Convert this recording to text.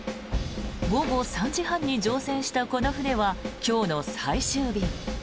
午後３時半に乗船したこの船は今日の最終便。